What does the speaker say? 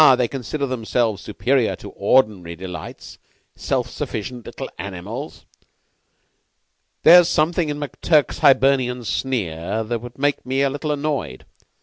They consider themselves superior to ordinary delights. Self sufficient little animals! There's something in McTurk's Hibernian sneer that would make me a little annoyed.